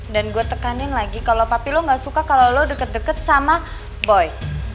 dan gua tekanin lagi kalo papi lo ga suka kalo lo deket deket sama boy